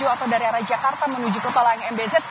atau dari arah jakarta menuju ke tol layang mbz